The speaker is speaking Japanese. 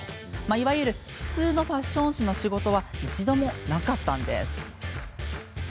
いわゆる普通のファッション誌の仕事は一度もなかったのです。